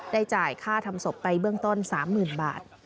จ่ายค่าทำศพไปเบื้องต้น๓๐๐๐บาท